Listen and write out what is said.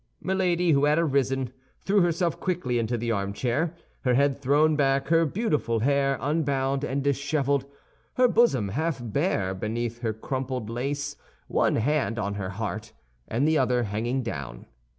Milady, who had arisen, threw herself quickly into the armchair, her head thrown back, her beautiful hair unbound and disheveled, her bosom half bare beneath her crumpled lace, one hand on her heart, and the other hanging down.